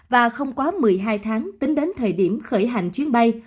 và không quá một mươi hai tháng tính đến thời điểm khởi hành chuyến bay